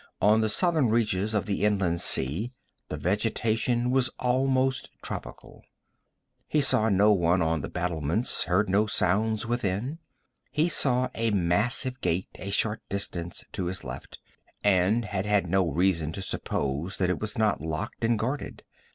On the southern reaches of the inland sea the vegetation was almost tropical. He saw no one on the battlements, heard no sounds within. He saw a massive gate a short distance to his left, and had had no reason to suppose that it was not locked and guarded.